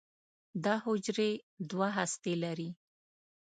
دا حجرې دوه هستې لري.